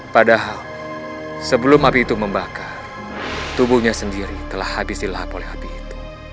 padahal sebelum api itu membakar tubuhnya sendiri telah habis dilahap oleh api itu